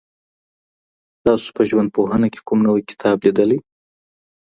تاسو په ژوندپوهنه کي کوم نوی کتاب لیدلی؟